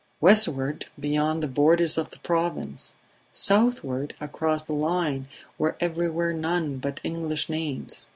Westward, beyond the borders of the Province; southward, across the line were everywhere none but English names.